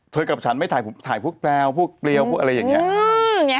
กับฉันไม่ถ่ายพวกแปลพวกเปรียวพวกอะไรอย่างนี้